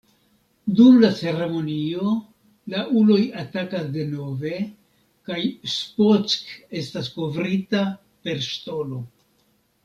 Dum la ceremonio, la uloj atakas denove, kaj Spock estas kovrita per ŝtono.